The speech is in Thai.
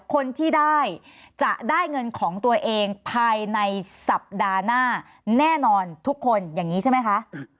คนที่ได้จะได้เงินของตัวเองภายในสัปดาห์หน้าแน่นอนทุกคนอย่างนี้ใช่ไหมคะ